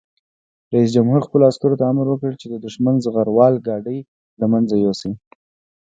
رئیس جمهور خپلو عسکرو ته امر وکړ؛ د دښمن زغروال ګاډي له منځه یوسئ!